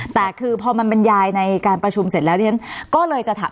แต่คือพอมันบรรยายในการประชุมเสร็จแล้วที่ฉันก็เลยจะถาม